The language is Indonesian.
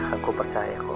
aku percaya kok